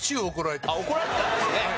あっ怒られてたんですね。